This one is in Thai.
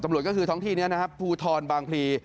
ตำรวจก็คือท้องที่นี้นะครับภูทรบางพลี